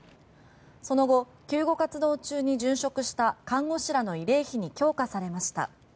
その後、救護活動中に殉職した看護師らの慰霊碑に供花されました。